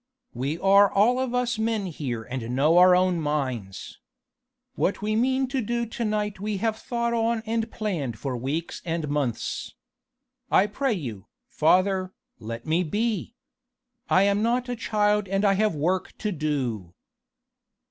We are all of us men here and know our own minds. What we mean to do to night we have thought on and planned for weeks and months. I pray you, father, let me be! I am not a child and I have work to do."